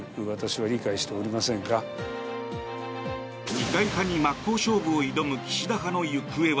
二階派に真っ向勝負を挑む岸田派の行方は。